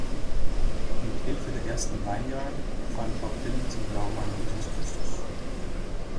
Mit Hilfe der ersten Vineyard fand Bob Dylan zum Glauben an Jesus Christus.